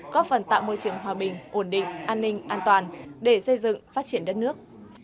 có phần tạo môi trường hòa bình ổn định an ninh an toàn để xây dựng phát triển đất nước